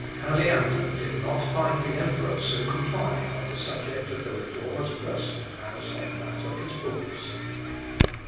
Aleander did not find the emperor so complying on the subject of the Reformer's person as on that of his books.